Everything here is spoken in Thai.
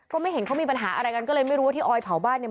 ก็ไม่เห็นเขามีปัญหาอะไรกันก็เลยไม่รู้ว่าที่ออยเผาบ้านเนี่ย